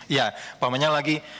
ya pembicaraannya lagi